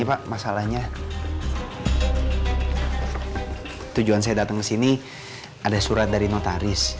pak masalahnya tujuan saya datang ke sini ada surat dari notaris